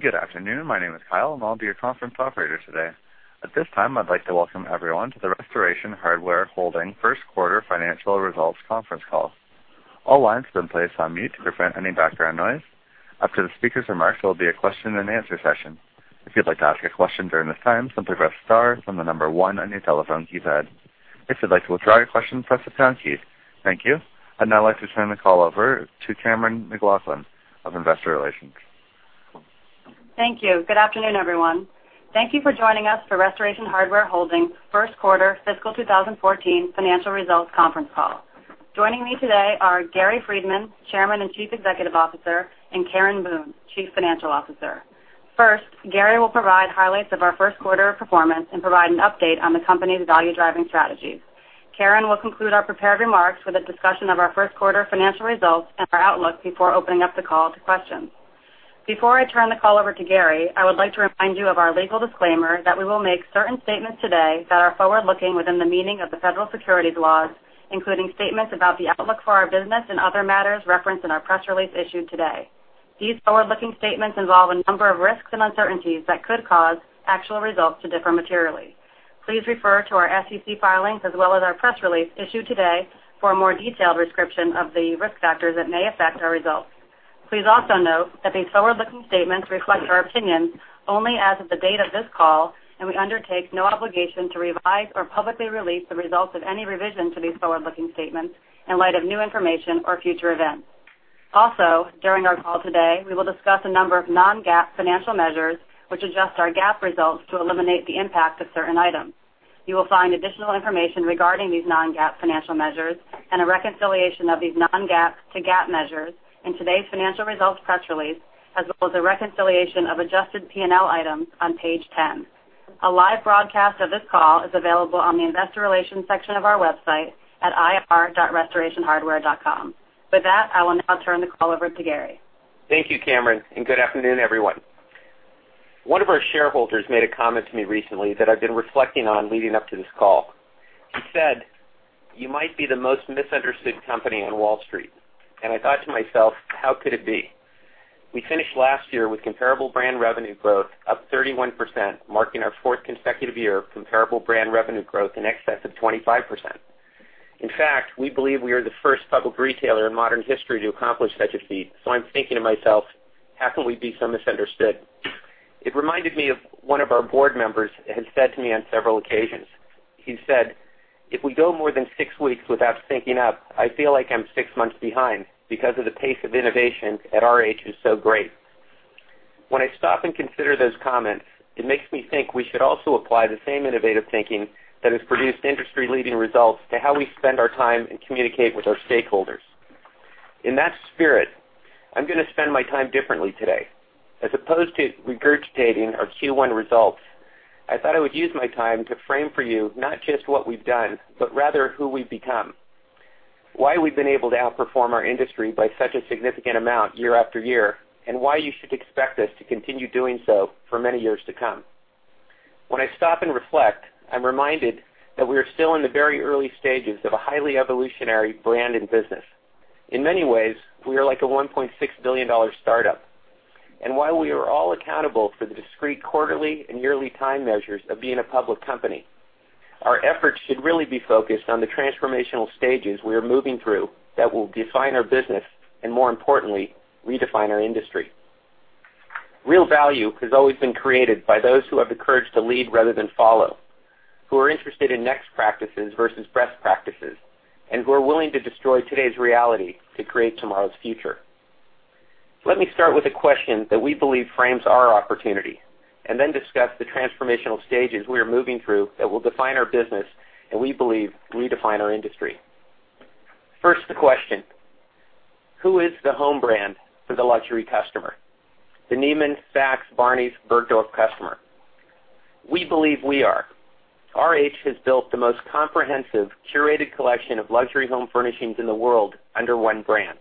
Good afternoon. My name is Kyle and I'll be your conference operator today. At this time, I'd like to welcome everyone to the Restoration Hardware Holdings First Quarter Financial Results conference call. All lines have been placed on mute to prevent any background noise. After the speaker's remarks, there will be a question and answer session. If you'd like to ask a question during this time, simply press star, then the number one on your telephone keypad. If you'd like to withdraw your question, press the pound key. Thank you. I'd now like to turn the call over to Cammeron McLaughlin of Investor Relations. Thank you. Good afternoon, everyone. Thank you for joining us for Restoration Hardware Holdings First Quarter Fiscal 2014 Financial Results conference call. Joining me today are Gary Friedman, Chairman and Chief Executive Officer, and Karen Boone, Chief Financial Officer. First, Gary will provide highlights of our first quarter performance and provide an update on the company's value-driving strategies. Karen will conclude our prepared remarks with a discussion of our first quarter financial results and our outlook before opening up the call to questions. Before I turn the call over to Gary, I would like to remind you of our legal disclaimer that we will make certain statements today that are forward-looking within the meaning of the federal securities laws, including statements about the outlook for our business and other matters referenced in our press release issued today. These forward-looking statements involve a number of risks and uncertainties that could cause actual results to differ materially. Please refer to our SEC filings as well as our press release issued today for a more detailed description of the risk factors that may affect our results. Please also note that these forward-looking statements reflect our opinions only as of the date of this call, and we undertake no obligation to revise or publicly release the results of any revision to these forward-looking statements in light of new information or future events. Also, during our call today, we will discuss a number of non-GAAP financial measures, which adjust our GAAP results to eliminate the impact of certain items. You will find additional information regarding these non-GAAP financial measures and a reconciliation of these non-GAAP to GAAP measures in today's financial results press release, as well as a reconciliation of adjusted P&L items on page 10. A live broadcast of this call is available on the investor relations section of our website at ir.restorationhardware.com. With that, I will now turn the call over to Gary. Thank you, Cammeron, and good afternoon, everyone. One of our shareholders made a comment to me recently that I've been reflecting on leading up to this call. He said, "You might be the most misunderstood company on Wall Street." I thought to myself, "How could it be?" We finished last year with comparable brand revenue growth up 31%, marking our fourth consecutive year of comparable brand revenue growth in excess of 25%. In fact, we believe we are the first public retailer in modern history to accomplish such a feat. I'm thinking to myself, "How can we be so misunderstood?" It reminded me of what one of our board members has said to me on several occasions. He said, "If we go more than six weeks without thinking up, I feel like I'm six months behind because of the pace of innovation at RH is so great." When I stop and consider those comments, it makes me think we should also apply the same innovative thinking that has produced industry-leading results to how we spend our time and communicate with our stakeholders. In that spirit, I'm going to spend my time differently today. As opposed to regurgitating our Q1 results, I thought I would use my time to frame for you not just what we've done, but rather who we've become, why we've been able to outperform our industry by such a significant amount year after year, and why you should expect us to continue doing so for many years to come. When I stop and reflect, I'm reminded that we are still in the very early stages of a highly evolutionary brand and business. In many ways, we are like a $1.6 billion startup. While we are all accountable for the discrete quarterly and yearly time measures of being a public company, our efforts should really be focused on the transformational stages we are moving through that will define our business and, more importantly, redefine our industry. Real value has always been created by those who have the courage to lead rather than follow, who are interested in next practices versus best practices, and who are willing to destroy today's reality to create tomorrow's future. Let me start with a question that we believe frames our opportunity, then discuss the transformational stages we are moving through that will define our business and we believe redefine our industry. First, the question: Who is the home brand for the luxury customer? The Neiman's, Saks, Barneys, Bergdorf customer. We believe we are. RH has built the most comprehensive curated collection of luxury home furnishings in the world under one brand.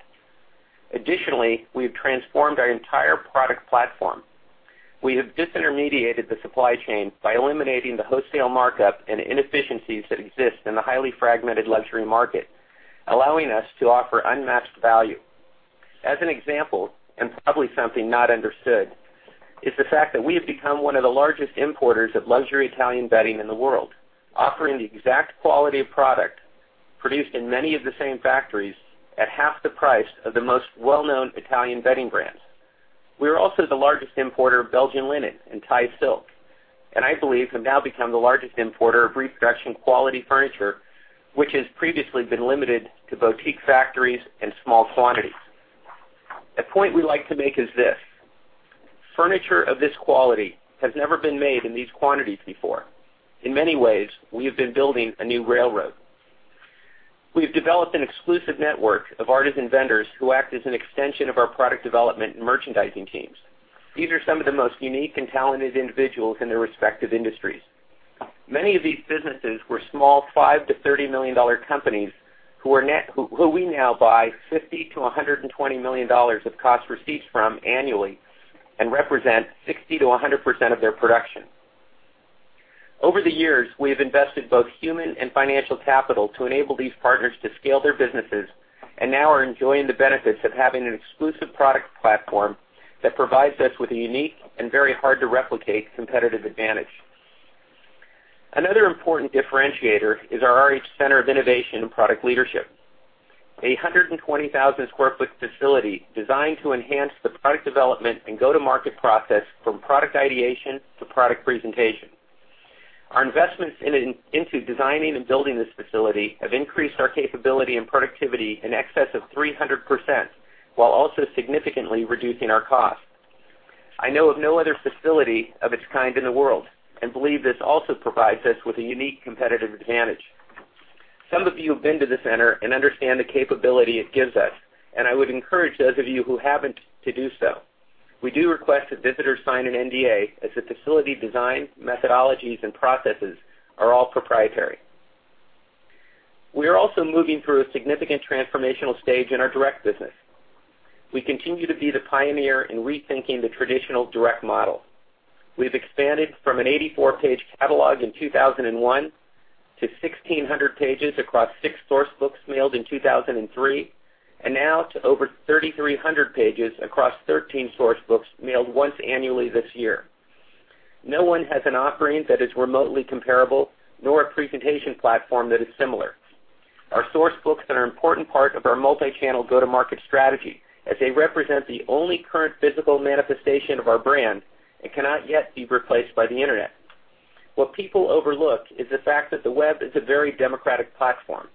Additionally, we've transformed our entire product platform. We have disintermediated the supply chain by eliminating the wholesale markup and inefficiencies that exist in the highly fragmented luxury market, allowing us to offer unmatched value. As an example, and probably something not understood, is the fact that we have become one of the largest importers of luxury Italian bedding in the world, offering the exact quality of product produced in many of the same factories at half the price of the most well-known Italian bedding brands. We are also the largest importer of Belgian linen and Thai silk. I believe have now become the largest importer of reproduction quality furniture, which has previously been limited to boutique factories and small quantities. A point we like to make is this: Furniture of this quality has never been made in these quantities before. In many ways, we have been building a new railroad. We've developed an exclusive network of artisan vendors who act as an extension of our product development and merchandising teams. These are some of the most unique and talented individuals in their respective industries. Many of these businesses were small, $5 million-$30 million companies who we now buy $50 million-$120 million of cost receipts from annually and represent 60%-100% of their production. Over the years, we have invested both human and financial capital to enable these partners to scale their businesses. Now are enjoying the benefits of having an exclusive product platform that provides us with a unique and very hard-to-replicate competitive advantage. Another important differentiator is our RH Center of Innovation and Product Leadership, a 120,000 sq ft facility designed to enhance the product development and go-to-market process from product ideation to product presentation. Our investments into designing and building this facility have increased our capability and productivity in excess of 300%, while also significantly reducing our costs. I know of no other facility of its kind in the world and believe this also provides us with a unique competitive advantage. Some of you have been to the center and understand the capability it gives us. I would encourage those of you who haven't to do so. We do request that visitors sign an NDA as the facility design, methodologies, and processes are all proprietary. We are also moving through a significant transformational stage in our direct business. We continue to be the pioneer in rethinking the traditional direct model. We've expanded from an 84-page catalog in 2001 to 1,600 pages across six Source Books mailed in 2003. Now to over 3,300 pages across 13 Source Books mailed once annually this year. No one has an offering that is remotely comparable, nor a presentation platform that is similar. Our Source Books are an important part of our multi-channel go-to-market strategy, as they represent the only current physical manifestation of our brand and cannot yet be replaced by the internet. What people overlook is the fact that the web is a very democratic platform.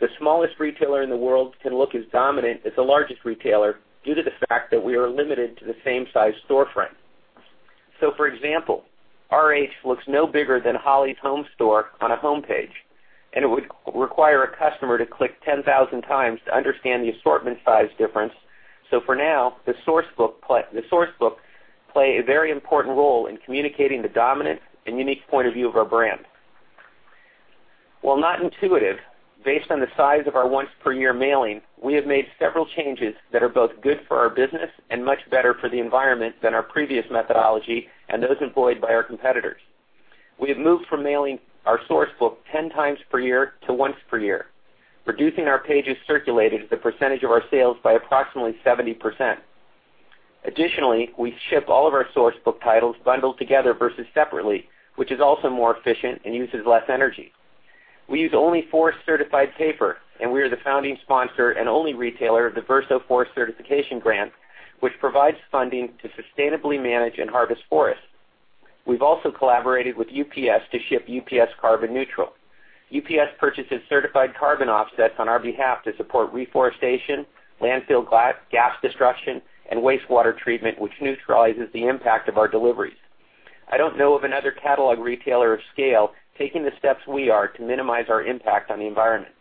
The smallest retailer in the world can look as dominant as the largest retailer due to the fact that we are limited to the same-size storefront. For example, RH looks no bigger than Holley's Home Furnishings on a homepage, and it would require a customer to click 10,000 times to understand the assortment size difference. For now, the Source Books play a very important role in communicating the dominant and unique point of view of our brand. While not intuitive, based on the size of our once-per-year mailing, we have made several changes that are both good for our business and much better for the environment than our previous methodology and those employed by our competitors. We have moved from mailing our Source Book 10 times per year to once per year, reducing our pages circulated as a percentage of our sales by approximately 70%. Additionally, we ship all of our Source Book titles bundled together versus separately, which is also more efficient and uses less energy. We use only Forest Certified paper, and we are the founding sponsor and only retailer of the Verso Forest Certification Grant, which provides funding to sustainably manage and harvest forests. We've also collaborated with UPS to ship UPS carbon neutral. UPS purchases certified carbon offsets on our behalf to support reforestation, landfill gas destruction, and wastewater treatment, which neutralizes the impact of our deliveries. I don't know of another catalog retailer of scale taking the steps we are to minimize our impact on the environment.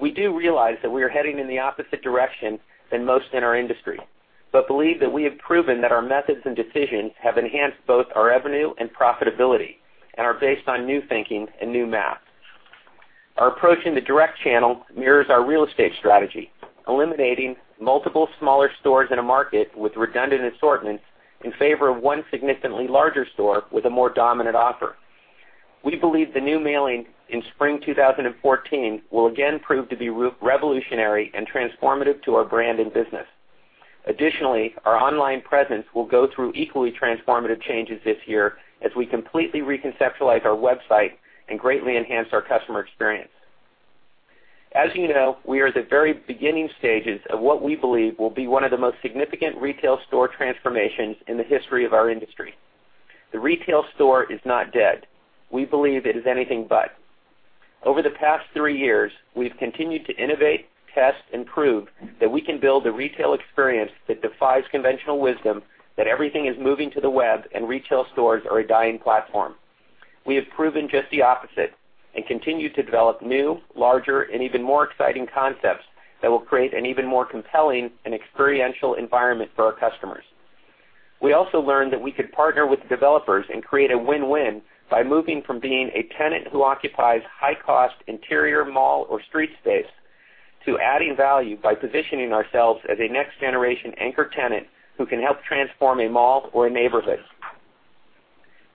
We do realize that we are heading in the opposite direction than most in our industry, believe that we have proven that our methods and decisions have enhanced both our revenue and profitability and are based on new thinking and new math. Our approach in the direct channel mirrors our real estate strategy, eliminating multiple smaller stores in a market with redundant assortments in favor of one significantly larger store with a more dominant offer. We believe the new mailing in Spring 2014 will again prove to be revolutionary and transformative to our brand and business. Our online presence will go through equally transformative changes this year as we completely reconceptualize our website and greatly enhance our customer experience. As you know, we are at the very beginning stages of what we believe will be one of the most significant retail store transformations in the history of our industry. The retail store is not dead. We believe it is anything but. Over the past three years, we've continued to innovate, test, and prove that we can build a retail experience that defies conventional wisdom that everything is moving to the web and retail stores are a dying platform. We have proven just the opposite and continue to develop new, larger, and even more exciting concepts that will create an even more compelling and experiential environment for our customers. We also learned that we could partner with developers and create a win-win by moving from being a tenant who occupies high-cost interior mall or street space to adding value by positioning ourselves as a next-generation anchor tenant who can help transform a mall or a neighborhood.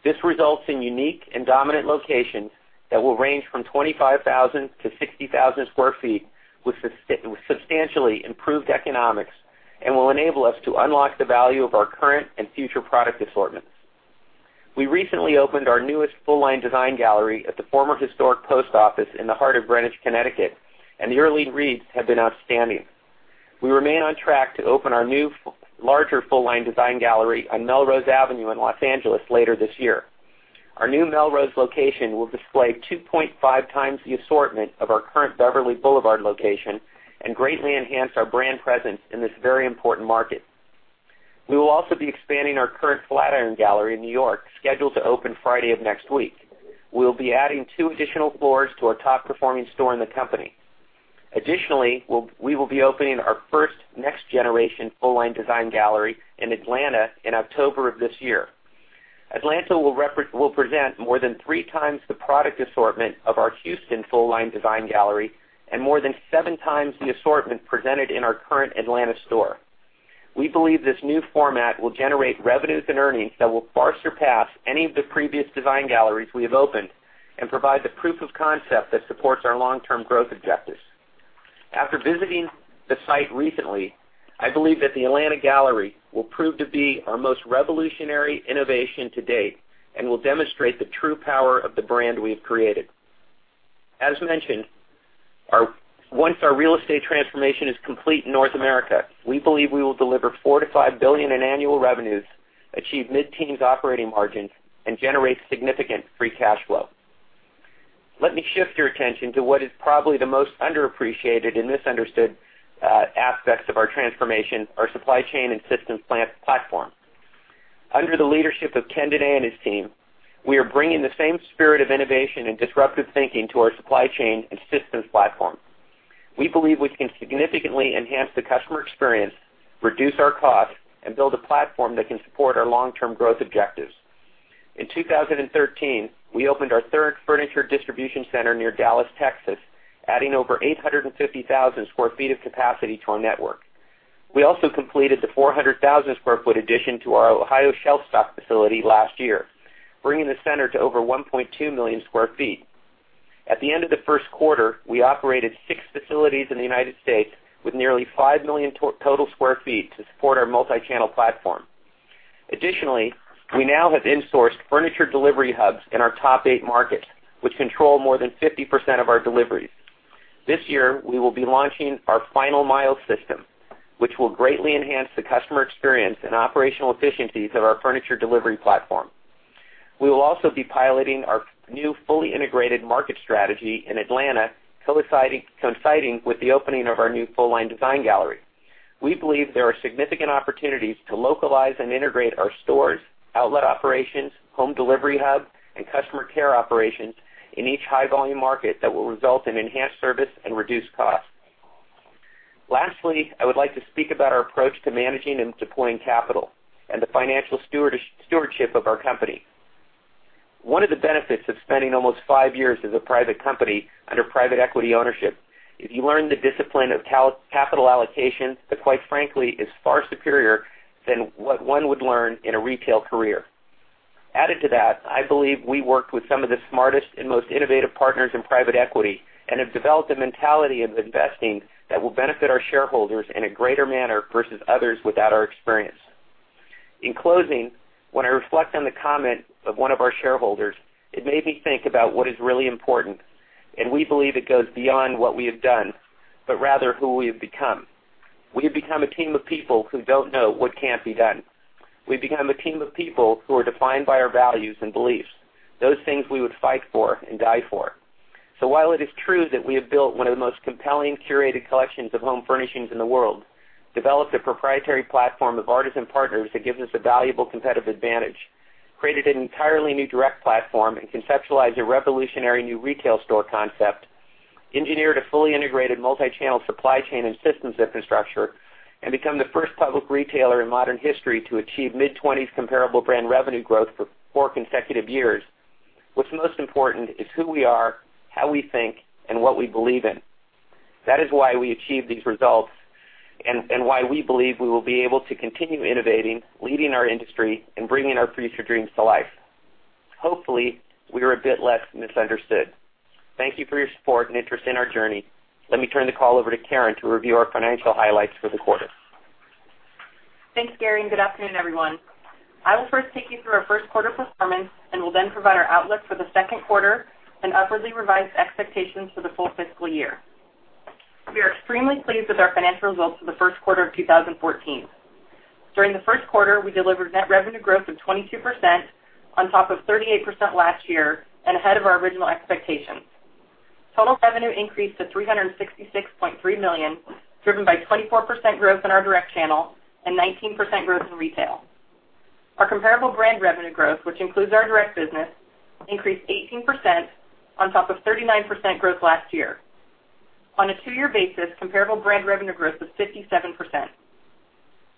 This results in unique and dominant locations that will range from 25,000-60,000 square feet with substantially improved economics and will enable us to unlock the value of our current and future product assortments. We recently opened our newest full-line design gallery at the former historic post office in the heart of Greenwich, Connecticut, and the early reads have been outstanding. We remain on track to open our new, larger full-line design gallery on Melrose Avenue in Los Angeles later this year. Our new Melrose location will display 2.5 times the assortment of our current Beverly Boulevard location and greatly enhance our brand presence in this very important market. We will also be expanding our current Flatiron gallery in New York, scheduled to open Friday of next week. We'll be adding two additional floors to our top-performing store in the company. We will be opening our first next-generation Full Line Design Gallery in Atlanta in October of this year. Atlanta will present more than three times the product assortment of our Houston full-line design gallery and more than seven times the assortment presented in our current Atlanta store. We believe this new format will generate revenues and earnings that will far surpass any of the previous design galleries we have opened and provide the proof of concept that supports our long-term growth objectives. After visiting the site recently, I believe that the Atlanta gallery will prove to be our most revolutionary innovation to date and will demonstrate the true power of the brand we have created. As mentioned, once our real estate transformation is complete in North America, we believe we will deliver $4 billion-$5 billion in annual revenues, achieve mid-teens operating margins, and generate significant free cash flow. Let me shift your attention to what is probably the most underappreciated and misunderstood aspects of our transformation, our supply chain and systems platform. Under the leadership of Ken Day and his team, we are bringing the same spirit of innovation and disruptive thinking to our supply chain and systems platform. We believe we can significantly enhance the customer experience, reduce our costs, and build a platform that can support our long-term growth objectives. In 2013, we opened our third furniture distribution center near Dallas, Texas, adding over 850,000 square feet of capacity to our network. We also completed the 400,000 square foot addition to our Ohio shell stock facility last year, bringing the center to over 1.2 million square feet. At the end of the first quarter, we operated six facilities in the United States with nearly 5 million total square feet to support our multi-channel platform. Additionally, we now have in-sourced furniture delivery hubs in our top eight markets, which control more than 50% of our deliveries. This year, we will be launching our Final Mile System, which will greatly enhance the customer experience and operational efficiencies of our furniture delivery platform. We will also be piloting our new fully integrated market strategy in Atlanta, coinciding with the opening of our new full-line design gallery. We believe there are significant opportunities to localize and integrate our stores, outlet operations, home delivery hub, and customer care operations in each high-volume market that will result in enhanced service and reduced costs. Lastly, I would like to speak about our approach to managing and deploying capital and the financial stewardship of our company. One of the benefits of spending almost five years as a private company under private equity ownership is you learn the discipline of capital allocation that, quite frankly, is far superior than what one would learn in a retail career. Added to that, I believe we worked with some of the smartest and most innovative partners in private equity and have developed a mentality of investing that will benefit our shareholders in a greater manner versus others without our experience. In closing, when I reflect on the comment of one of our shareholders, it made me think about what is really important, and we believe it goes beyond what we have done, but rather who we have become. We have become a team of people who don't know what can't be done. We've become a team of people who are defined by our values and beliefs, those things we would fight for and die for. While it is true that we have built one of the most compelling curated collections of home furnishings in the world, developed a proprietary platform of artisan partners that gives us a valuable competitive advantage, created an entirely new direct platform, and conceptualized a revolutionary new retail store concept, engineered a fully integrated multi-channel supply chain and systems infrastructure, and become the first public retailer in modern history to achieve mid-twenties comparable brand revenue growth for four consecutive years. What's most important is who we are, how we think, and what we believe in. That is why we achieve these results and why we believe we will be able to continue innovating, leading our industry, and bringing our future dreams to life. Hopefully, we are a bit less misunderstood. Thank you for your support and interest in our journey. Let me turn the call over to Karen to review our financial highlights for the quarter. Thanks, Gary, and good afternoon, everyone. I will first take you through our first quarter performance and will then provide our outlook for the second quarter and upwardly revised expectations for the full fiscal year. We are extremely pleased with our financial results for the first quarter of 2014. During the first quarter, we delivered net revenue growth of 22% on top of 38% last year and ahead of our original expectations. Total revenue increased to $366.3 million, driven by 24% growth in our direct channel and 19% growth in retail. Our comparable brand revenue growth, which includes our direct business, increased 18% on top of 39% growth last year. On a two-year basis, comparable brand revenue growth was 57%.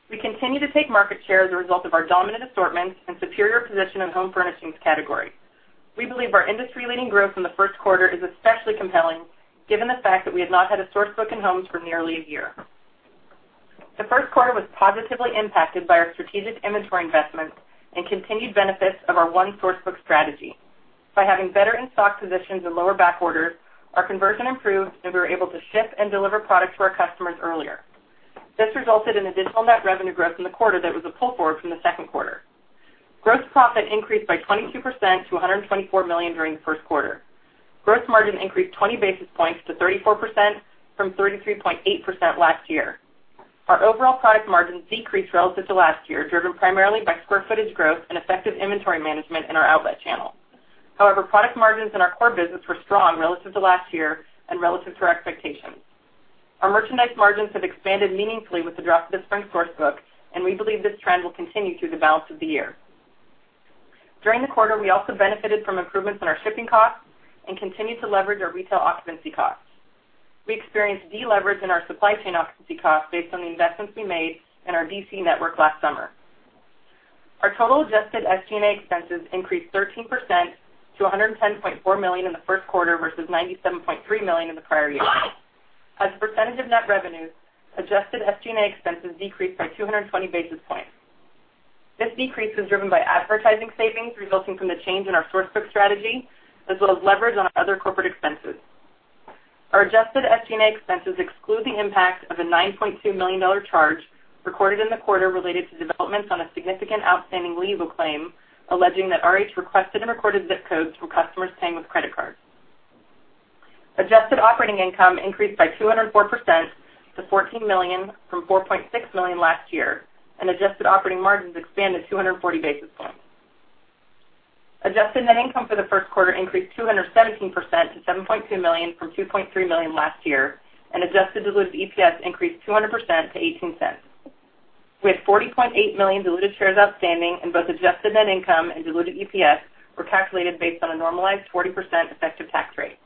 We continue to take market share as a result of our dominant assortments and superior position in home furnishings category. We believe our industry-leading growth in the first quarter is especially compelling given the fact that we have not had a Source Book in homes for nearly a year. The first quarter was positively impacted by our strategic inventory investments and continued benefits of our One Source Book strategy. By having better in-stock positions and lower backorders, our conversion improved, and we were able to ship and deliver product to our customers earlier. This resulted in additional net revenue growth in the quarter that was a pull-forward from the second quarter. Gross profit increased by 22% to $124 million during the first quarter. Gross margin increased 20 basis points to 34% from 33.8% last year. Our overall product margins decreased relative to last year, driven primarily by square footage growth and effective inventory management in our outlet channel. Product margins in our core business were strong relative to last year and relative to our expectations. Our merchandise margins have expanded meaningfully with the drop of the Spring Source Book, and we believe this trend will continue through the balance of the year. During the quarter, we also benefited from improvements in our shipping costs and continued to leverage our retail occupancy costs. We experienced deleverage in our supply chain occupancy costs based on the investments we made in our DC network last summer. Our total adjusted SG&A expenses increased 13% to $110.4 million in the first quarter versus $97.3 million in the prior year. As a percentage of net revenues, adjusted SG&A expenses decreased by 220 basis points. This decrease was driven by advertising savings resulting from the change in our Source Book strategy, as well as leverage on our other corporate expenses. Our adjusted SG&A expenses exclude the impact of a $9.2 million charge recorded in the quarter related to developments on a significant outstanding legal claim alleging that RH requested and recorded zip codes from customers paying with credit cards. Adjusted operating income increased by 204% to $14 million from $4.6 million last year, and adjusted operating margins expanded 240 basis points. Adjusted net income for the first quarter increased 217% to $7.2 million from $2.3 million last year, and adjusted diluted EPS increased 200% to $0.18. We had 40.8 million diluted shares outstanding and both adjusted net income and diluted EPS were calculated based on a normalized 40% effective tax rate.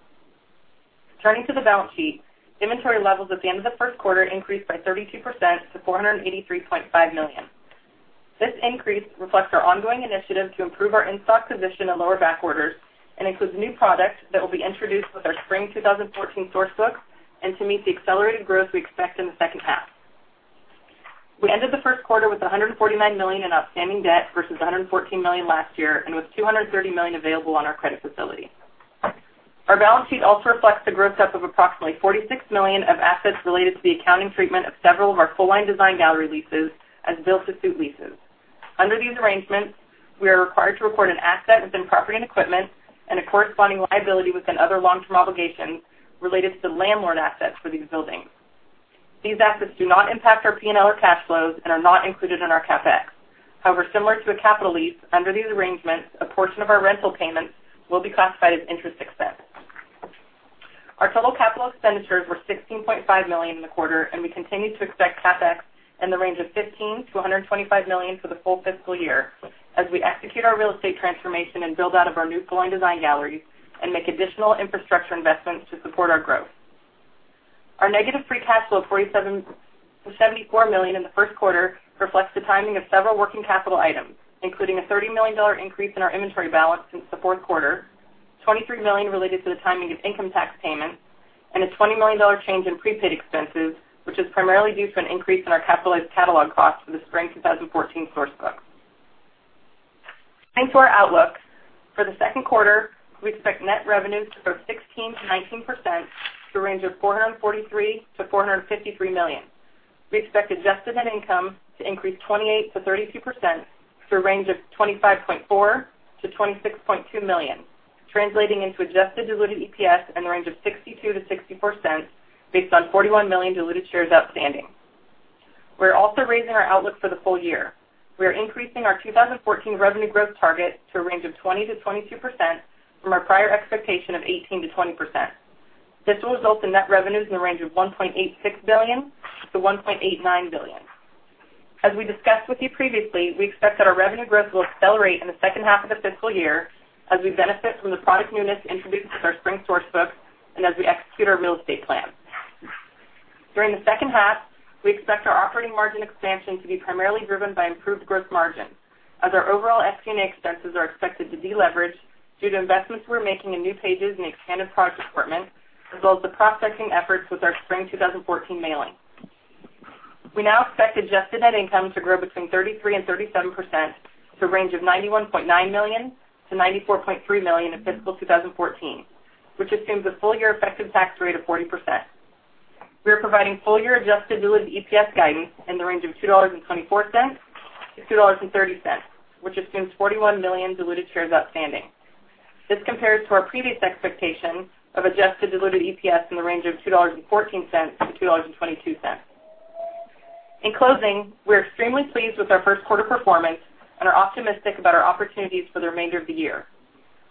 Turning to the balance sheet, inventory levels at the end of the first quarter increased by 32% to $483.5 million. This increase reflects our ongoing initiative to improve our in-stock position and lower back orders and includes new products that will be introduced with our Spring 2014 Source Book and to meet the accelerated growth we expect in the second half. We ended the first quarter with $149 million in outstanding debt versus $114 million last year and with $230 million available on our credit facility. Our balance sheet also reflects the gross up of approximately $46 million of assets related to the accounting treatment of several of our full-line design gallery leases as build-to-suit leases. Under these arrangements, we are required to report an asset within property and equipment and a corresponding liability within other long-term obligations related to the landlord assets for these buildings. These assets do not impact our P&L or cash flows and are not included in our CapEx. Similar to a capital lease, under these arrangements, a portion of our rental payments will be classified as interest expense. Our total capital expenditures were $16.5 million in the quarter, and we continue to expect CapEx in the range of $15 million-$125 million for the full fiscal year as we execute our real estate transformation and build out of our new full-line design galleries and make additional infrastructure investments to support our growth. Our negative free cash flow of $47.74 million in the first quarter reflects the timing of several working capital items, including a $30 million increase in our inventory balance since the fourth quarter, $23 million related to the timing of income tax payments, and a $20 million change in prepaid expenses, which is primarily due to an increase in our capitalized catalog costs for the Spring 2014 Source Book. Turning to our outlook, for the second quarter, we expect net revenues to grow 16%-19% to a range of $443 million-$453 million. We expect adjusted net income to increase 28%-32% to a range of $25.4 million-$26.2 million, translating into adjusted diluted EPS in the range of $0.62-$0.64 based on 41 million diluted shares outstanding. We are also raising our outlook for the full year. We are increasing our 2014 revenue growth target to a range of 20%-22% from our prior expectation of 18%-20%. This will result in net revenues in the range of $1.86 billion-$1.89 billion. As we discussed with you previously, we expect that our revenue growth will accelerate in the second half of the fiscal year as we benefit from the product newness introduced with our Spring Source Book and as we execute our real estate plan. During the second half, we expect our operating margin expansion to be primarily driven by improved growth margins as our overall SG&A expenses are expected to deleverage due to investments we are making in new pages and expanded product assortment, as well as the prospecting efforts with our Spring 2014 mailing. We now expect adjusted net income to grow between 33% and 37% to a range of $91.9 million-$94.3 million in fiscal 2014, which assumes a full-year effective tax rate of 40%. We are providing full-year adjusted diluted EPS guidance in the range of $2.24-$2.30, which assumes 41 million diluted shares outstanding. This compares to our previous expectation of adjusted diluted EPS in the range of $2.14-$2.22. In closing, we are extremely pleased with our first quarter performance and are optimistic about our opportunities for the remainder of the year.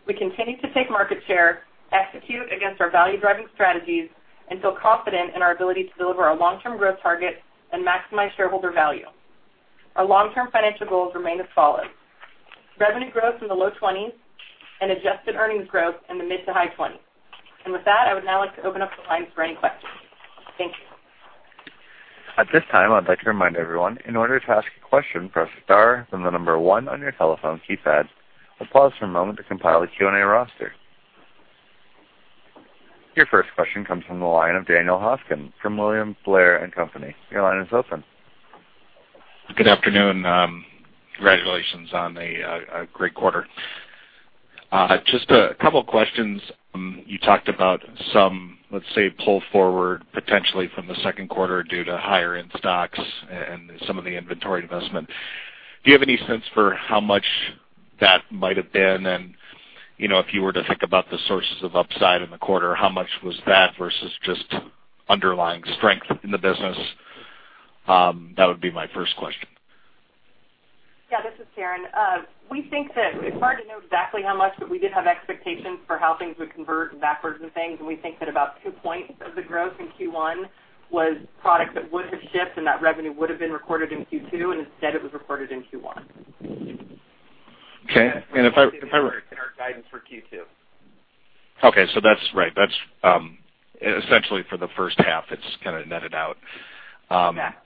We continue to take market share, execute against our value-driving strategies, and feel confident in our ability to deliver our long-term growth target and maximize shareholder value. Our long-term financial goals remain as follows: revenue growth in the low 20s and adjusted earnings growth in the mid to high 20s. With that, I would now like to open up the lines for any questions. Thank you. At this time, I'd like to remind everyone, in order to ask a question, press star then the number one on your telephone keypad. We'll pause for a moment to compile a Q&A roster. Your first question comes from the line of Daniel Hofkin from William Blair & Company. Your line is open. Good afternoon. Congratulations on a great quarter. Just a couple questions. You talked about some, let's say, pull forward potentially from the second quarter due to higher in-stocks and some of the inventory investment. Do you have any sense for how much that might have been? If you were to think about the sources of upside in the quarter, how much was that versus just underlying strength in the business? That would be my first question. Yeah, this is Karen. We think that it's hard to know exactly how much, but we did have expectations for how things would convert and backwards and things, and we think that about two points of the growth in Q1 was product that would have shipped, and that revenue would have been recorded in Q2, and instead it was recorded in Q1. Okay. In our guidance for Q2 Okay. That's right. That's essentially for the first half, it's kind of netted out. Matt.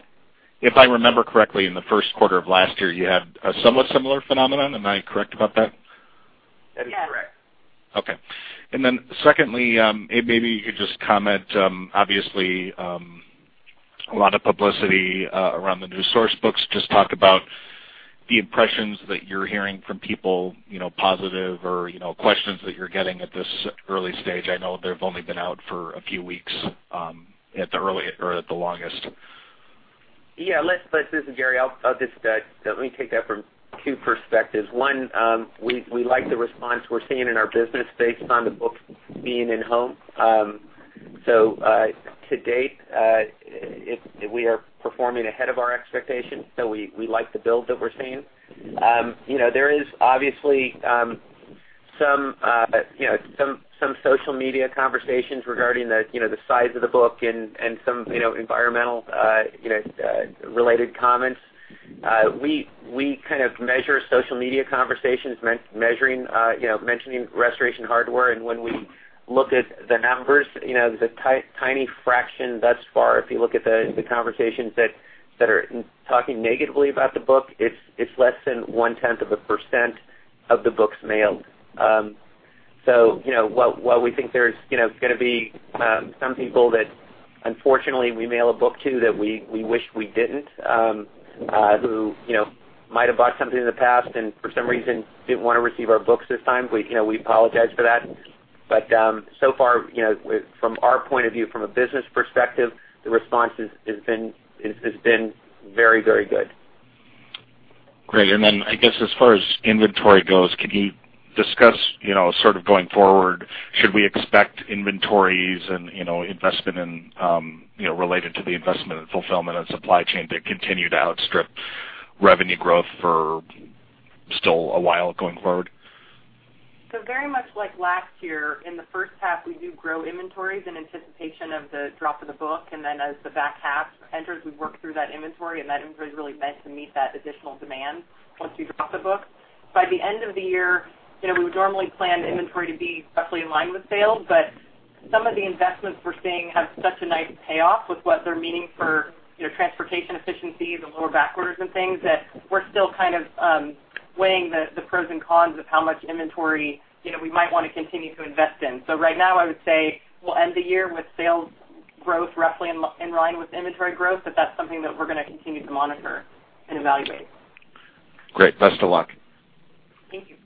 If I remember correctly, in the first quarter of last year, you had a somewhat similar phenomenon. Am I correct about that? That is correct. Secondly, maybe you could just comment, obviously, a lot of publicity around the new Source Books. Just talk about the impressions that you're hearing from people, positive or questions that you're getting at this early stage. I know they've only been out for a few weeks at the earliest or at the longest. Yeah. This is Gary. Let me take that from two perspectives. One, we like the response we're seeing in our business based on the book being in home. To date, we are performing ahead of our expectations. We like the build that we're seeing. There is obviously some social media conversations regarding the size of the book and some environmental-related comments. We measure social media conversations, mentioning Restoration Hardware, and when we look at the numbers, the tiny fraction thus far, if you look at the conversations that are talking negatively about the book, it's less than one-tenth of a % of the books mailed. While we think there's going to be some people that unfortunately we mail a book to that we wish we didn't, who might have bought something in the past and for some reason didn't want to receive our books this time, we apologize for that. So far, from our point of view, from a business perspective, the response has been very good. Great. I guess as far as inventory goes, can you discuss going forward, should we expect inventories and investment related to the investment in fulfillment and supply chain to continue to outstrip revenue growth for still a while going forward? Very much like last year, in the first half, we do grow inventories in anticipation of the drop of the book, and then as the back half enters, we work through that inventory, and that inventory is really meant to meet that additional demand once we drop the book. By the end of the year, we would normally plan inventory to be roughly in line with sales, but some of the investments we're seeing have such a nice payoff with what they're meaning for transportation efficiencies and lower back orders and things that we're still weighing the pros and cons of how much inventory we might want to continue to invest in. Right now, I would say we'll end the year with sales growth roughly in line with inventory growth, but that's something that we're going to continue to monitor and evaluate. Great. Best of luck. Thank you.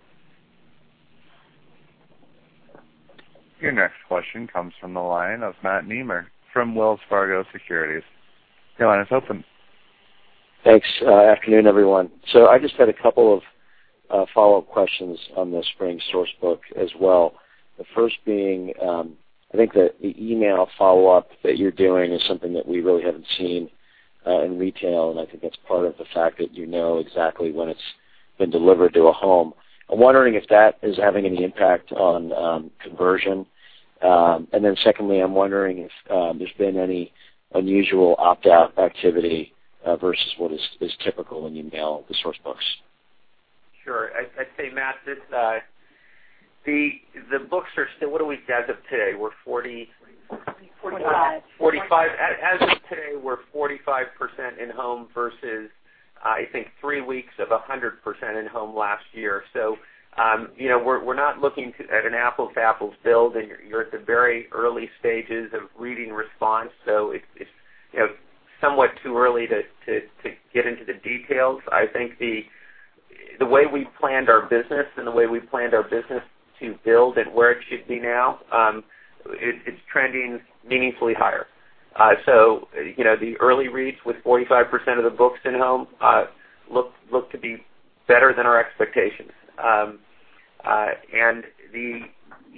Your next question comes from the line of Matt Nemer from Wells Fargo Securities. Your line is open. Thanks. Afternoon, everyone. I just had a couple of follow-up questions on the Spring Source Book as well. The first being, I think that the email follow-up that you're doing is something that we really haven't seen in retail, and I think that's part of the fact that you know exactly when it's been delivered to a home. I'm wondering if that is having any impact on conversion. Secondly, I'm wondering if there's been any unusual opt-out activity versus what is typical when you mail the Source Books. Sure. I'd say, Matt, the books are what are we as of today? We're 45. Forty-five. As of today, we're 45% in home versus, I think, three weeks of 100% in home last year. We're not looking at an apples to apples build, and you're at the very early stages of reading response. It's somewhat too early to get into the details. I think the way we planned our business and the way we planned our business to build and where it should be now, it's trending meaningfully higher. The early reads with 45% of the books in home look to be better than our expectations. The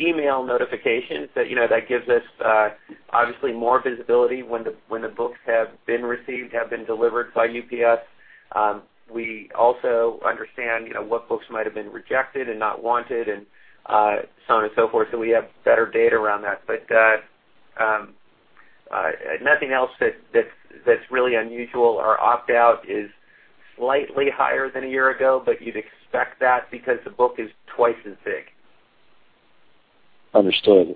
email notifications, that gives us obviously more visibility when the books have been received, have been delivered by UPS. We also understand what books might have been rejected and not wanted and so on and so forth. We have better data around that. Nothing else that's really unusual. Our opt-out is slightly higher than a year ago, but you'd expect that because the Source Book is twice as big. Understood.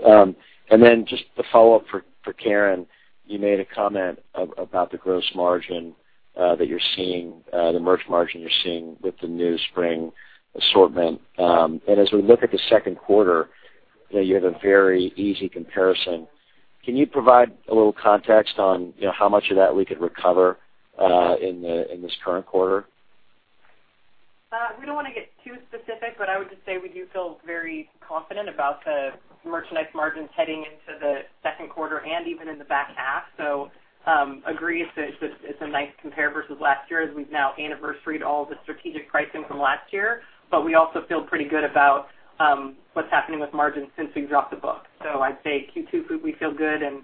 Then just a follow-up for Karen. You made a comment about the gross margin that you're seeing, the merch margin you're seeing with the new spring assortment. As we look at the second quarter, you have a very easy comparison. Can you provide a little context on how much of that we could recover in this current quarter? We don't want to get too specific, but I would just say we do feel very confident about the merchandise margins heading into the second quarter and even in the back half. Agree it's a nice compare versus last year as we've now anniversaried all the strategic pricing from last year. We also feel pretty good about what's happening with margins since we dropped the Source Book. I'd say Q2, we feel good and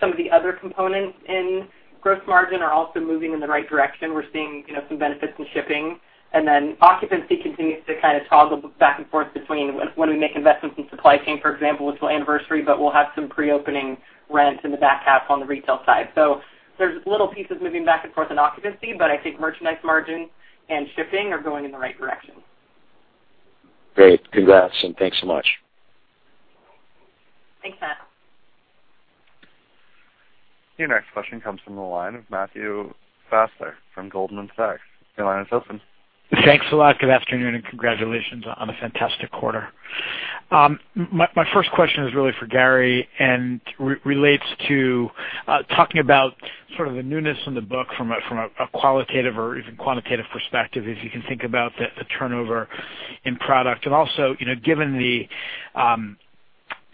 some of the other components in gross margin are also moving in the right direction. We're seeing some benefits in shipping, then occupancy continues to kind of toggle back and forth between when we make investments in supply chain, for example, which will anniversary, but we'll have some pre-opening rent in the back half on the retail side. There's little pieces moving back and forth in occupancy, but I think merchandise margin and shifting are going in the right direction. Great. Congrats, and thanks so much. Thanks, Matt. Your next question comes from the line of Matthew Fassler from Goldman Sachs. Your line is open. Thanks a lot. Good afternoon, and congratulations on a fantastic quarter. My first question is really for Gary and relates to talking about the newness in the book from a qualitative or even quantitative perspective, if you can think about the turnover in product. Also,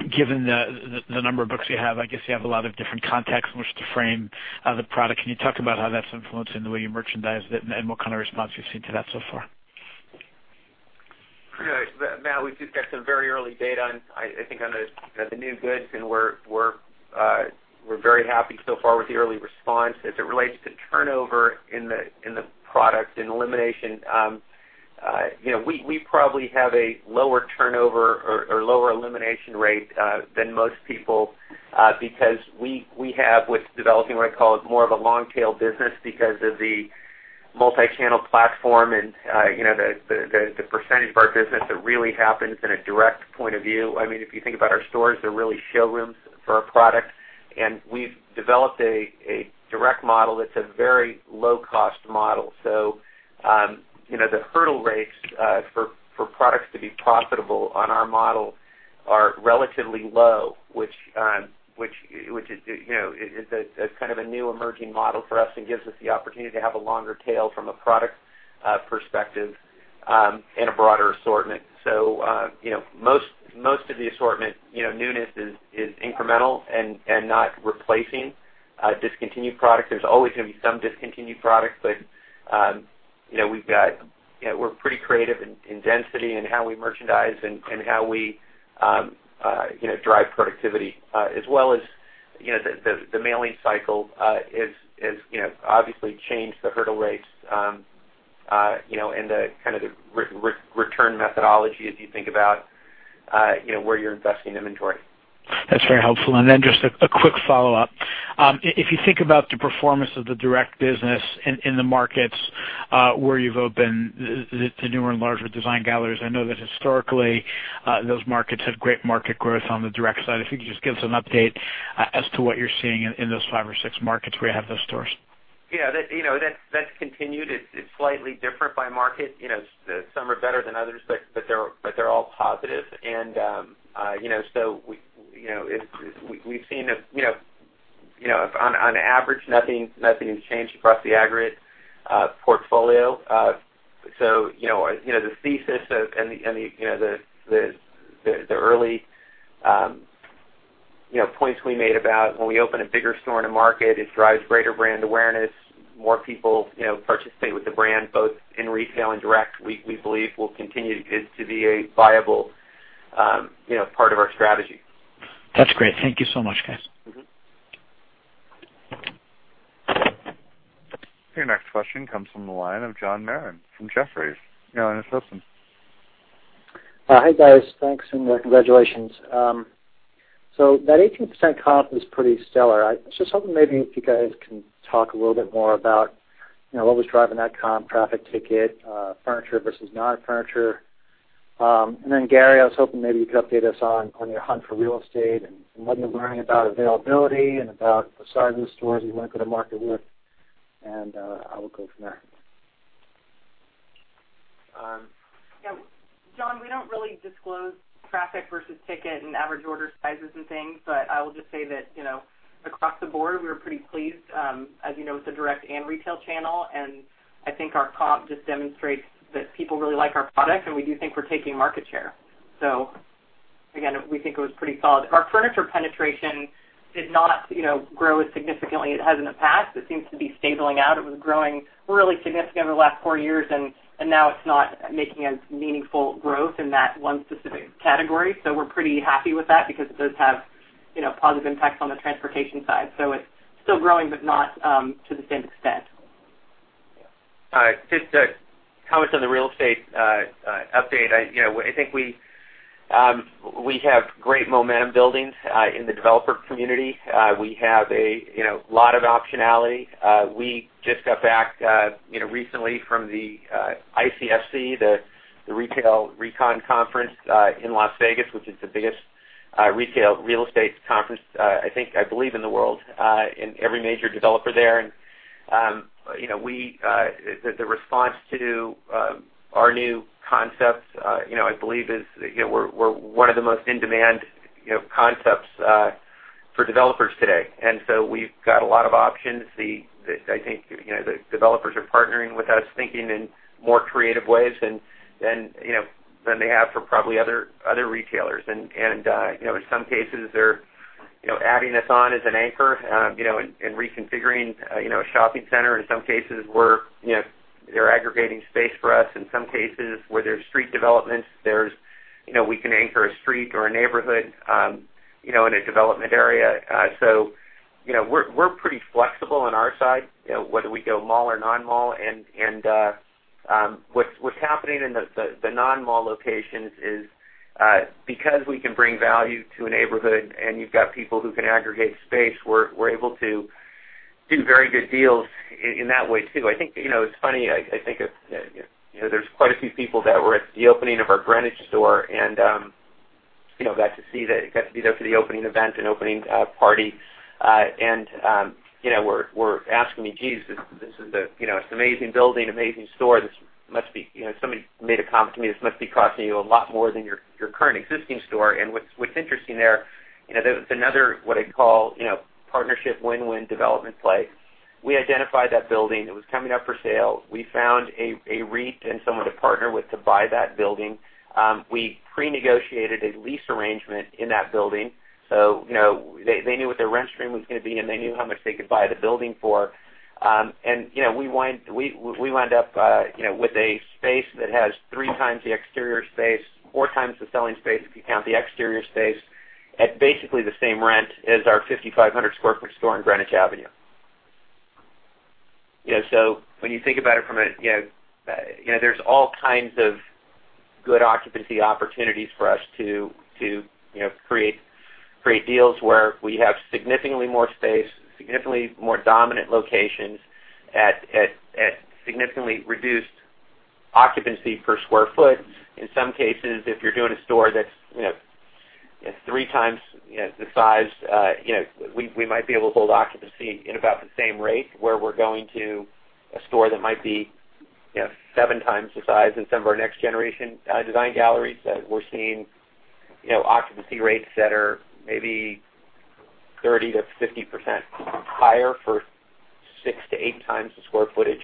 given the number of books you have, I guess you have a lot of different contexts in which to frame the product. Can you talk about how that's influencing the way you merchandise it and what kind of response you've seen to that so far? Matt, we've just got some very early data on, I think, on the new goods. We're very happy so far with the early response. As it relates to turnover in the product and elimination, we probably have a lower turnover or lower elimination rate than most people because we have what's developing what I call more of a long-tail business because of the multi-channel platform and the percentage of our business that really happens in a direct point of view. If you think about our stores, they're really showrooms for our product, and we've developed a direct model that's a very low-cost model. The hurdle rates for products to be profitable on our model are relatively low, which is a new emerging model for us and gives us the opportunity to have a longer tail from a product perspective and a broader assortment. Most of the assortment newness is incremental and not replacing discontinued product. There's always going to be some discontinued product. We're pretty creative in density and how we merchandise and how we drive productivity as well as the mailing cycle has obviously changed the hurdle rates and the return methodology as you think about where you're investing inventory. That's very helpful. Just a quick follow-up. If you think about the performance of the direct business in the markets where you've opened the newer and larger design galleries, I know that historically, those markets had great market growth on the direct side. If you could just give us an update as to what you're seeing in those five or six markets where you have those stores. Yeah. That's continued. It's slightly different by market. Some are better than others. They're all positive. We've seen, on average, nothing has changed across the aggregate portfolio. The thesis and the early points we made about when we open a bigger store in a market, it drives greater brand awareness. More people participate with the brand, both in retail and direct, we believe will continue to be a viable part of our strategy. That's great. Thank you so much, guys. Your next question comes from the line of John Marrin from Jefferies. Your line is open. Hi, guys. Thanks and congratulations. That 18% comp is pretty stellar. I was just hoping maybe if you guys can talk a little more about what was driving that comp traffic ticket, furniture versus non-furniture. Then Gary, I was hoping maybe you could update us on your hunt for real estate and what you're learning about availability and about the size of the stores you want to go to market with. I will go from there. John, we don't really disclose traffic versus ticket and average order sizes and things, I will just say that across the board, we were pretty pleased with the direct and retail channel, I think our comp just demonstrates that people really like our product, and we do think we're taking market share. Again, we think it was pretty solid. Our furniture penetration did not grow as significantly as it has in the past. It seems to be stabilizing out. It was growing really significantly over the last four years, it's not making a meaningful growth in that one specific category. We're pretty happy with that because it does have positive impacts on the transportation side. It's still growing, but not to the same extent. Just to comment on the real estate update. I think we have great momentum building in the developer community. We have a lot of optionality. We just got back recently from the ICSC, the RECon conference in Las Vegas, which is the biggest retail real estate conference, I believe, in the world, and every major developer there. The response to our new concepts, I believe we're one of the most in-demand concepts for developers today. We've got a lot of options. I think the developers are partnering with us, thinking in more creative ways than they have for probably other retailers. In some cases, they're adding us on as an anchor and reconfiguring a shopping center. In some cases, they're aggregating space for us. In some cases, where there's street developments, we can anchor a street or a neighborhood in a development area. We're pretty flexible on our side, whether we go mall or non-mall. What's happening in the non-mall locations is because we can bring value to a neighborhood and you've got people who can aggregate space, we're able to do very good deals in that way, too. I think it's funny. There's quite a few people that were at the opening of our Greenwich store and got to be there for the opening event and opening party. And were asking me, "Geez, it's an amazing building, amazing store. Somebody made a comment to me, this must be costing you a lot more than your current existing store." What's interesting there's another what I'd call partnership win-win development play. We identified that building, it was coming up for sale. We found a REIT and someone to partner with to buy that building. We pre-negotiated a lease arrangement in that building. So they knew what their rent stream was going to be, and they knew how much they could buy the building for. We wind up with a space that has three times the exterior space, four times the selling space, if you count the exterior space, at basically the same rent as our 5,500 sq ft store on Greenwich Avenue. When you think about it from a There's all kinds of good occupancy opportunities for us to create deals where we have significantly more space, significantly more dominant locations at significantly reduced occupancy per square foot. In some cases, if you're doing a store that's three times the size, we might be able to hold occupancy in about the same rate where we're going to a store that might be seven times the size in some of our next-generation Design Galleries that we're seeing, occupancy rates that are maybe 30%-50% higher for 6 to 8 times the square footage.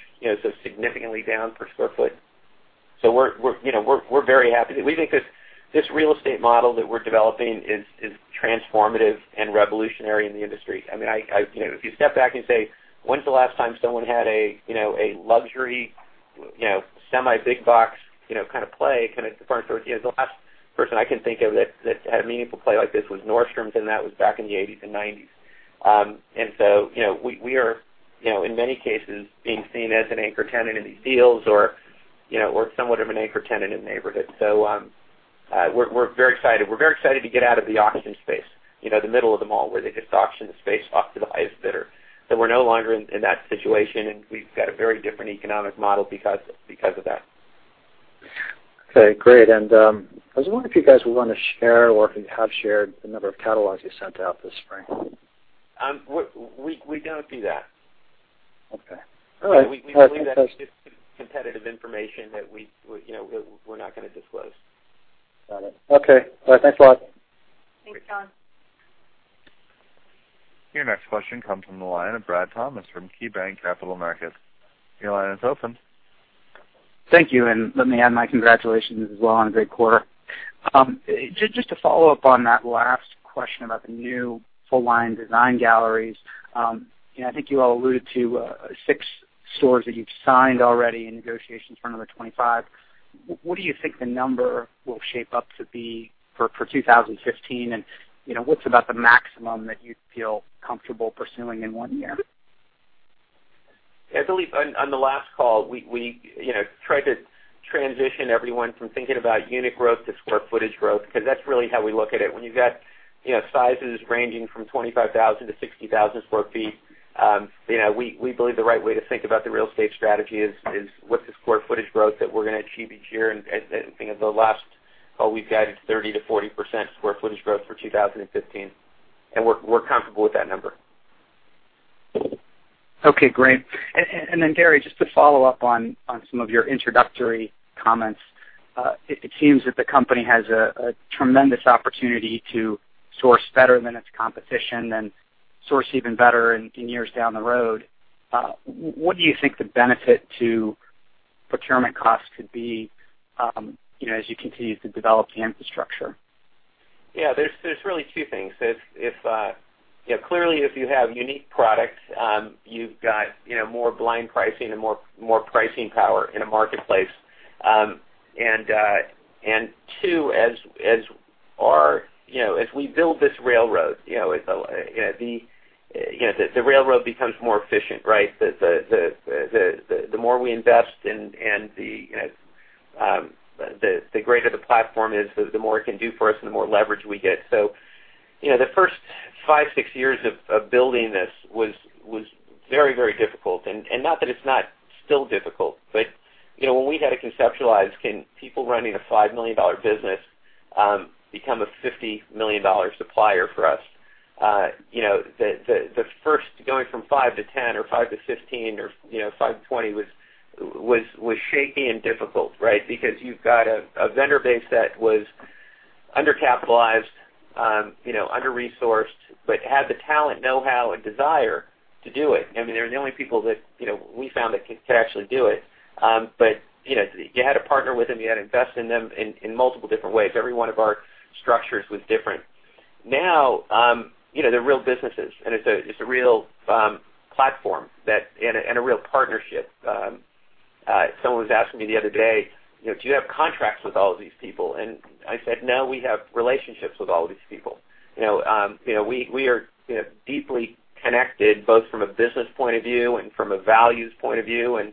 Significantly down per square foot. So we're very happy. We think this real estate model that we're developing is transformative and revolutionary in the industry. If you step back and say, when's the last time someone had a luxury, semi-big box, kind of play, kind of department store? The last person I can think of that had a meaningful play like this was Nordstrom, and that was back in the '80s and '90s. We are, in many cases, being seen as an anchor tenant in these deals or somewhat of an anchor tenant in a neighborhood. We're very excited. We're very excited to get out of the auction space, the middle of the mall where they just auction the space off to the highest bidder. We're no longer in that situation, and we've got a very different economic model because of that. Okay, great. I was wondering if you guys would want to share or have shared the number of catalogs you sent out this spring. We don't do that. Okay. All right. We believe that is just competitive information that we're not going to disclose. Got it. Okay. All right. Thanks a lot. Thanks, John. Your next question comes from the line of Bradley Thomas from KeyBanc Capital Markets. Your line is open. Thank you, and let me add my congratulations as well on a great quarter. Just to follow up on that last question about the new full-line design galleries. I think you all alluded to 6 stores that you've signed already in negotiations for another 25. What do you think the number will shape up to be for 2015? What's about the maximum that you'd feel comfortable pursuing in 1 year? I believe on the last call, we tried to transition everyone from thinking about unit growth to square footage growth, because that's really how we look at it. When you've got sizes ranging from 25,000 to 60,000 sq ft, we believe the right way to think about the real estate strategy is what's the square footage growth that we're going to achieve each year? I think the last call we've guided 30%-40% square footage growth for 2015, we're comfortable with that number. Okay, great. Gary, just to follow up on some of your introductory comments. It seems that the company has a tremendous opportunity to source better than its competition and source even better in years down the road. What do you think the benefit to procurement costs could be as you continue to develop the infrastructure? Yeah, there's really 2 things. Clearly, if you have unique products, you've got more blind pricing and more pricing power in a marketplace. 2, as we build this railroad, the railroad becomes more efficient, right? The more we invest and the greater the platform is, the more it can do for us and the more leverage we get. The first 5, 6 years of building this was very difficult. Not that it's not still difficult, but when we had to conceptualize, can people running a $5 million business become a $50 million supplier for us? The first going from 5 to 10 or 5 to 15 or 5 to 20 was shaky and difficult, right? Because you've got a vendor base that was undercapitalized, under-resourced, but had the talent, know-how, and desire to do it. They're the only people that we found that could actually do it. You had to partner with them, you had to invest in them in multiple different ways. Every one of our structures was different. They're real businesses, and it's a real platform and a real partnership. Someone was asking me the other day, "Do you have contracts with all of these people?" I said, "No, we have relationships with all of these people." We are deeply connected both from a business point of view and from a values point of view, and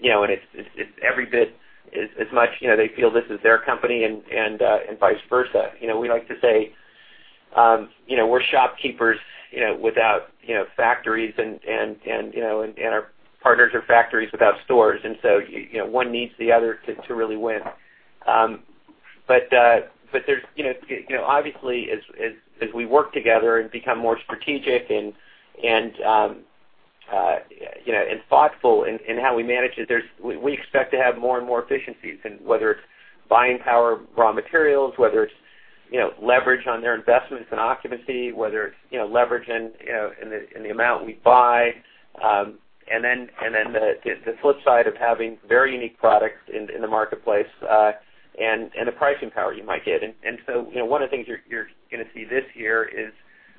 it's every bit as much they feel this is their company and vice versa. We like to say we're shopkeepers without factories, and our partners are factories without stores. One needs the other to really win. Obviously, as we work together and become more strategic and thoughtful in how we manage it, we expect to have more and more efficiencies, whether it's buying power of raw materials, whether it's leverage on their investments in occupancy, whether it's leverage in the amount we buy. Then the flip side of having very unique products in the marketplace and the pricing power you might get. One of the things you're going to see this year is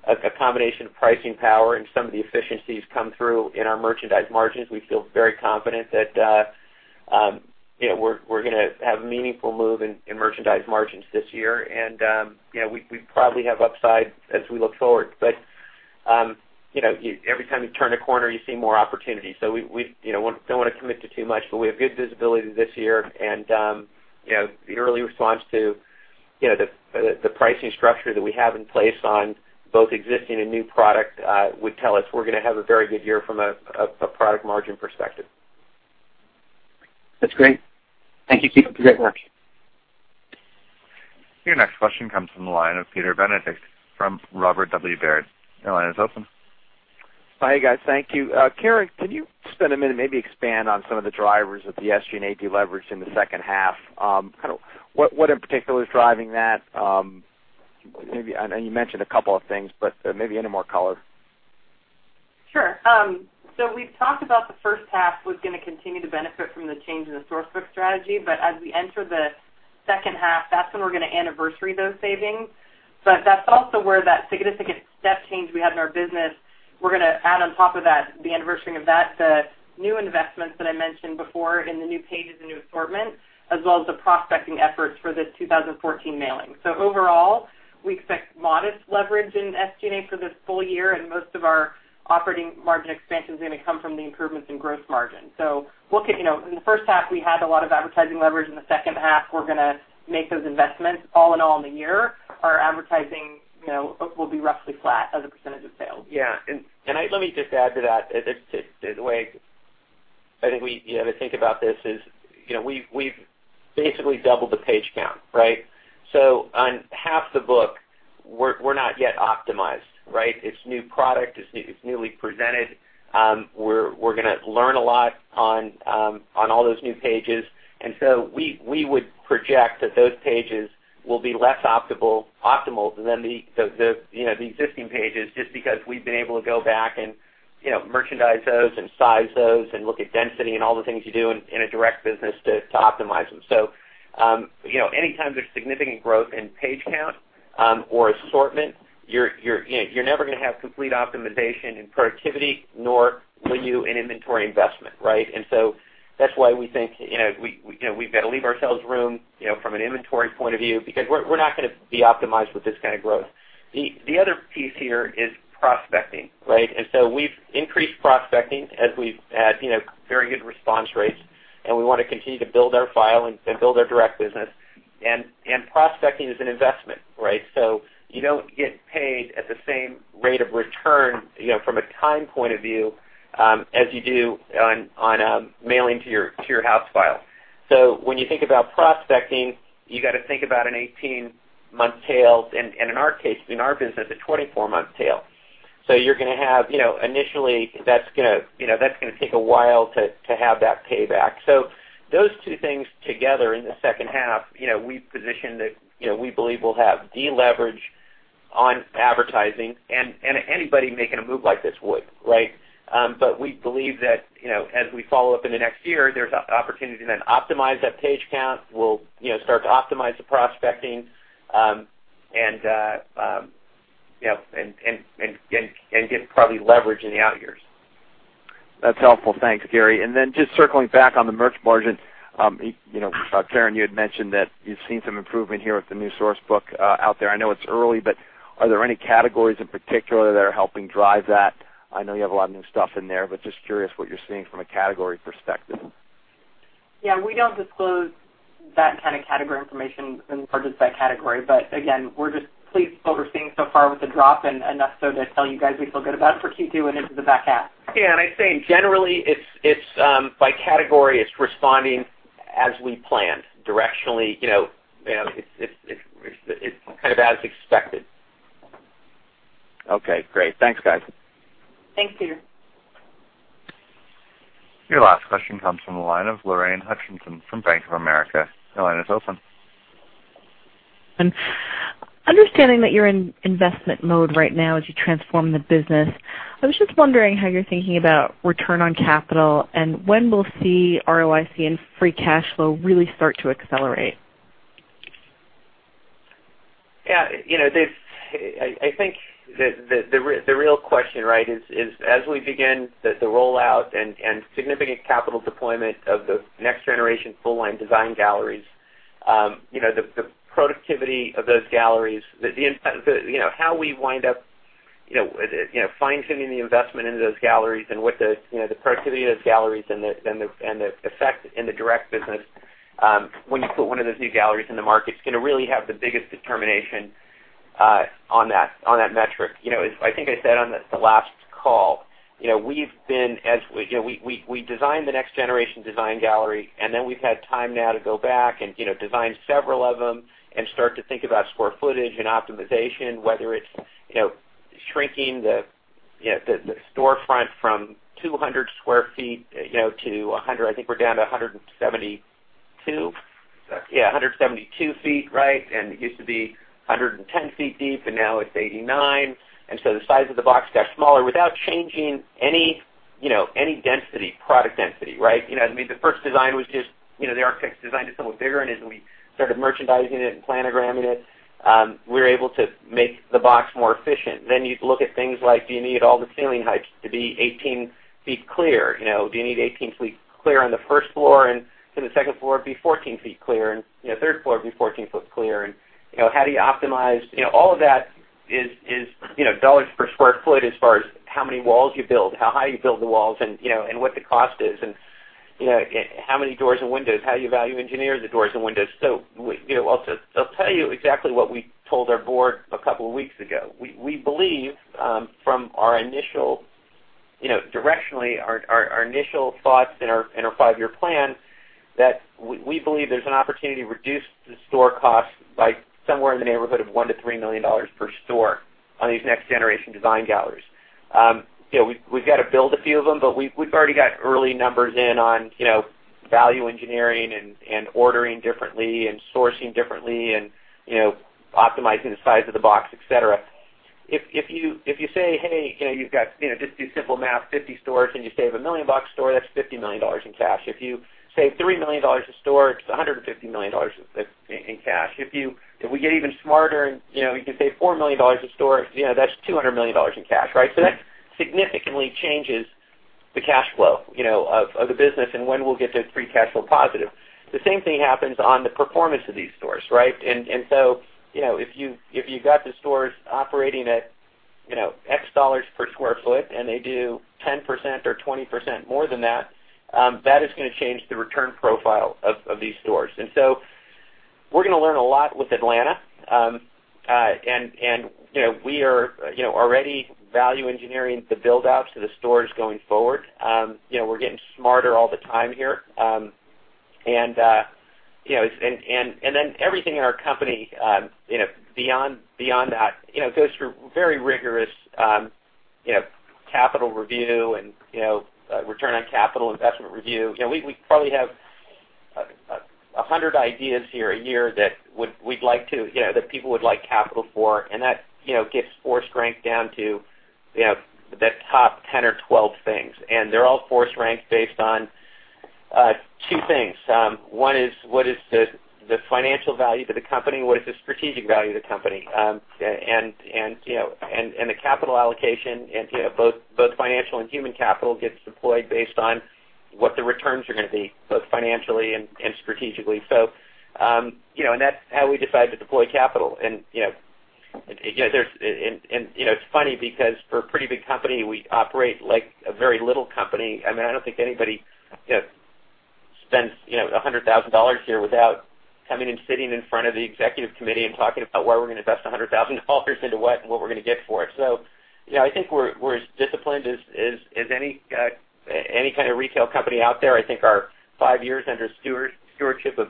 a combination of pricing power and some of the efficiencies come through in our merchandise margins. We feel very confident that we're going to have a meaningful move in merchandise margins this year. We probably have upside as we look forward. Every time you turn a corner, you see more opportunities. We don't want to commit to too much, but we have good visibility this year. The early response to the pricing structure that we have in place on both existing and new product would tell us we're going to have a very good year from a product margin perspective. That's great. Thank you. Great work. Your next question comes from the line of Peter Benedict from Robert W. Baird. Your line is open. Hey, guys. Thank you. Karen, can you spend a minute, maybe expand on some of the drivers of the SG&A deleverage in the second half? What in particular is driving that? I know you mentioned a couple of things, maybe any more color. Sure. We've talked about the first half was going to continue to benefit from the change in the Source Book strategy. As we enter the second half, that's when we're going to anniversary those savings. That's also where that significant step change we had in our business, we're going to add on top of that, the anniversarying of that, the new investments that I mentioned before in the new pages and new assortment, as well as the prospecting efforts for this 2014 mailing. Overall, we expect modest leverage in SG&A for this full year, and most of our operating margin expansion is going to come from the improvements in gross margin. In the first half, we had a lot of advertising leverage. In the second half, we're going to make those investments. All in all, in the year, our advertising will be roughly flat as a percentage of sales. Yeah. Let me just add to that. The way I think we think about this is, we've basically doubled the page count, right? On half the book, we're not yet optimized, right? It's new product. It's newly presented. We're going to learn a lot on all those new pages. We would project that those pages will be less optimal than the existing pages just because we've been able to go back and merchandise those and size those and look at density and all the things you do in a direct business to optimize them. Anytime there's significant growth in page count or assortment, you're never going to have complete optimization in productivity, nor will you in inventory investment, right? That's why we think we've got to leave ourselves room from an inventory point of view because we're not going to be optimized with this kind of growth. The other piece here is prospecting, right? We've increased prospecting as we've had very good response rates, and we want to continue to build our file and build our direct business. Prospecting is an investment, right? You don't get paid at the same rate of return from a time point of view as you do on mailing to your house file. When you think about prospecting, you got to think about an 18-month tail, and in our case, in our business, a 24-month tail. You're going to have initially, that's going to take a while to have that payback. Those two things together in the second half, we've positioned that we believe we'll have deleverage on advertising and anybody making a move like this would, right? We believe that as we follow up in the next year, there's opportunity to then optimize that page count. We'll start to optimize the prospecting and get probably leverage in the out years. That's helpful. Thanks, Gary. Just circling back on the merch margin. Karen, you had mentioned that you've seen some improvement here with the new Source Book out there. I know it's early, but are there any categories in particular that are helping drive that? I know you have a lot of new stuff in there, but just curious what you're seeing from a category perspective. Yeah. We don't disclose that kind of category information in regards to that category. Again, we're just pleased with what we're seeing so far with the drop and enough so to tell you guys we feel good about it for Q2 and into the back half. Yeah, I'd say generally, by category, it's responding as we planned. Directionally, it's as expected. Okay, great. Thanks, guys. Thanks, Peter. Your last question comes from the line of Lorraine Hutchinson from Bank of America. Your line is open. Understanding that you're in investment mode right now as you transform the business, I was just wondering how you're thinking about return on capital and when we'll see ROIC and free cash flow really start to accelerate. Yeah. I think the real question, right, is as we begin the rollout and significant capital deployment of the next-generation Full Line Design Galleries, the productivity of those galleries, how we wind up fine-tuning the investment into those galleries and what the productivity of those galleries and the effect in the direct business, when you put one of those new galleries in the market, it's going to really have the biggest determination on that metric. I think I said on the last call, we designed the next-generation design gallery. We've had time now to go back and design several of them and start to think about square footage and optimization, whether it's shrinking the storefront from 200 sq ft to 100. I think we're down to 172 ft. Exactly. Yeah, 172 ft. It used to be 110 ft deep, and now it's 89 ft. The size of the box got smaller without changing any product density. The first design was just the architects designed it somewhat bigger, and as we started merchandising it and planogramming it, we were able to make the box more efficient. Then you look at things like, do you need all the ceiling heights to be 18 ft clear? Do you need 18 ft clear on the first floor and can the second floor be 14 ft clear and third floor be 14 ft clear? How do you optimize All of that is $ per sq ft as far as how many walls you build, how high you build the walls, and what the cost is, and how many doors and windows, how you value engineer the doors and windows. I'll tell you exactly what we told our board a couple of weeks ago. Directionally, our initial thoughts in our five-year plan, that we believe there's an opportunity to reduce the store costs by somewhere in the neighborhood of $1 million-$3 million per store on these next generation design galleries. We've got to build a few of them, but we've already got early numbers in on value engineering and ordering differently and sourcing differently and optimizing the size of the box, et cetera. If you say, hey, just do simple math, 50 stores, and you save a million bucks a store, that's $50 million in cash. If you save $3 million a store, it's $150 million in cash. If we get even smarter and we can save $4 million a store, that's $200 million in cash. That significantly changes the cash flow of the business and when we'll get to free cash flow positive. The same thing happens on the performance of these stores. And so if you've got the stores operating at X dollars per square foot, and they do 10% or 20% more than that is going to change the return profile of these stores. And so we're going to learn a lot with Atlanta. And we are already value engineering the build-outs of the stores going forward. We're getting smarter all the time here. And then everything in our company beyond that goes through very rigorous capital review and return on capital investment review. We probably have 100 ideas here a year that people would like capital for, and that gets force ranked down to the top 10 or 12 things. And they're all force ranked based on two things. One is, what is the financial value to the company, and what is the strategic value to the company? And the capital allocation, both financial and human capital, gets deployed based on what the returns are going to be, both financially and strategically. And that's how we decide to deploy capital. And it's funny because for a pretty big company, we operate like a very little company. I don't think anybody spends $100,000 here without coming and sitting in front of the executive committee and talking about where we're going to invest $100,000 into what and what we're going to get for it. So I think we're as disciplined as any kind of retail company out there. I think our five years under stewardship of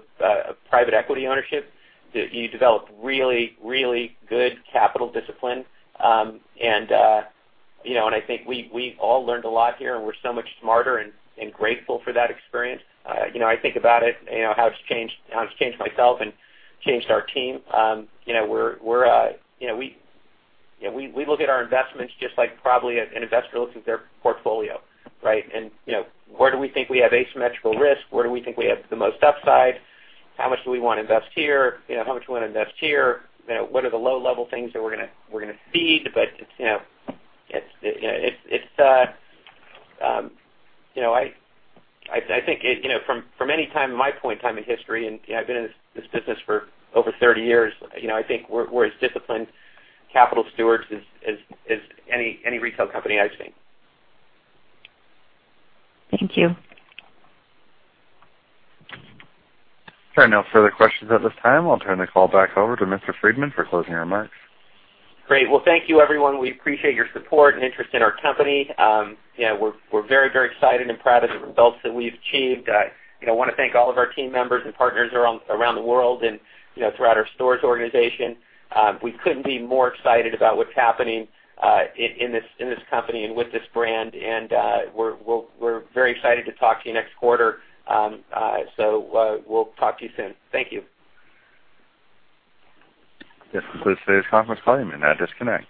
private equity ownership, you develop really good capital discipline. I think we've all learned a lot here, and we're so much smarter and grateful for that experience. I think about it, how it's changed myself and changed our team. We look at our investments just like probably an investor looks at their portfolio, right? And where do we think we have asymmetrical risk? Where do we think we have the most upside? How much do we want to invest here? How much we want to invest here? What are the low-level things that we're going to seed? But I think from any time in my point in time in history, and I've been in this business for over 30 years, I think we're as disciplined capital stewards as any retail company I've seen. Thank you. There are no further questions at this time. I'll turn the call back over to Mr. Friedman for closing remarks. Great. Well, thank you everyone. We appreciate your support and interest in our company. We're very excited and proud of the results that we've achieved. I want to thank all of our team members and partners around the world and throughout our stores organization. We couldn't be more excited about what's happening in this company and with this brand. We're very excited to talk to you next quarter. We'll talk to you soon. Thank you. This concludes today's conference call. You may now disconnect.